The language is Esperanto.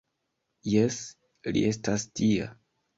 Jes, li estas tia.